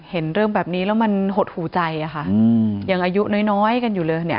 เห็นเรื่องแบบนี้แล้วมันหดหูใจอะค่ะยังอายุน้อยกันอยู่เลยเนี่ย